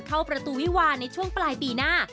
เข้าประตูวิวาในช่วงปลายปีหน้า